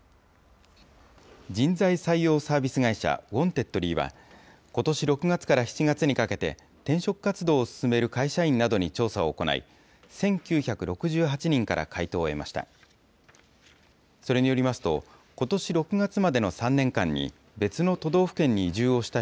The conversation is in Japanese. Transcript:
人材採用サービス会社、ウォンテッドリーは、ことし６月から７月にかけて、転職活動を進める会社員などに調査を行い、１９６８人から回答を得ました。